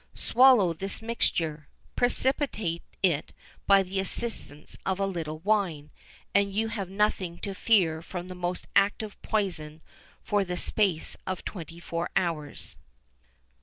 [XIV 25] Swallow this mixture precipitate it by the assistance of a little wine, and you have nothing to fear from the most active poison for the space of twenty four hours.